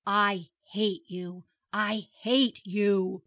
I hate you I hate you!'